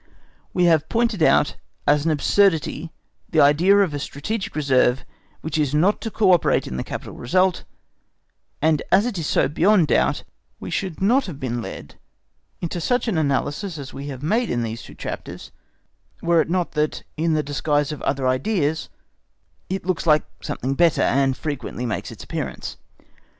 We have pointed out as an absurdity the idea of a strategic reserve which is not to co operate in the capital result, and as it is so beyond a doubt, we should not have been led into such an analysis as we have made in these two chapters, were it not that, in the disguise of other ideas, it looks like something better, and frequently makes its appearance.